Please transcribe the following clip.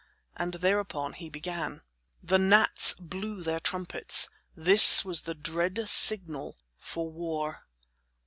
And thereupon he began: The gnats blew their trumpets. This was the dread signal for war.